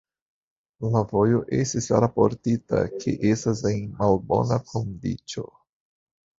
La vojo estis raportita ke estas en malbona kondiĉo.